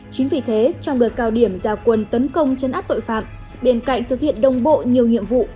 chính vì thế trong đợt cao điểm giao quân tấn công chấn áp tội phạm bên cạnh thực hiện đồng bộ nhiều nhiệm vụ